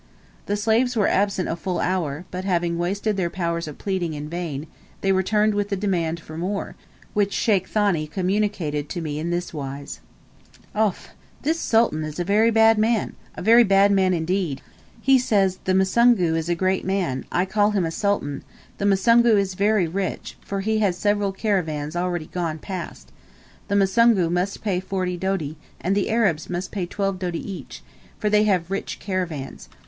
The slaves were absent a full hour, but having wasted their powers of pleading, in vain, they returned with the demand for more, which Sheikh Thani communicated to me in this wise: "Auf! this Sultan is a very bad man a very bad man indeed; he says, the Musungu is a great man, I call him a sultan; the Musungu is very rich, for he has several caravans already gone past; the Musungu must pay forty doti, and the Arabs must pay twelve doti each, for they have rich caravans.